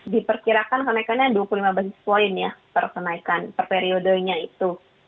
diperkirakan kenaikannya dua puluh lima basis point ya per kenaikan per periodenya itu